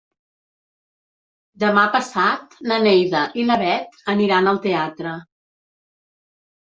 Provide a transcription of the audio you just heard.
Demà passat na Neida i na Bet aniran al teatre.